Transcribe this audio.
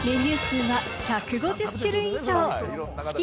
メニュー数は１５０種類以上。